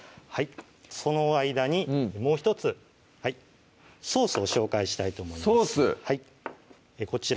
その間にもう１つソースを紹介したいと思いますソース